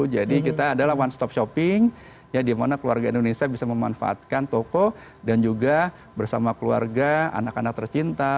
jadi kita adalah one stop shopping ya dimana keluarga indonesia bisa memanfaatkan toko dan juga bersama keluarga anak anak tercinta